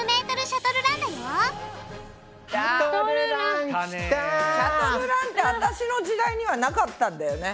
シャトルランって私の時代にはなかったんだよね。